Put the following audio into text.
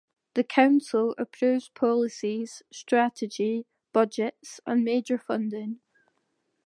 The Council approves policies, strategy, budgets and major funding.